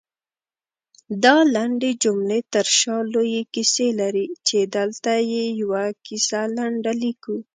دالنډې جملې ترشا لويې کيسې لري، چې دلته يې يوه کيسه لنډه ليکو